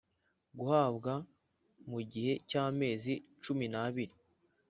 Guhabwa mu gihe cy amezi cumi n abiri